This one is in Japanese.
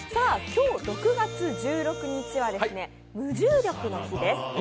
今日６月１６日は無重力の日です。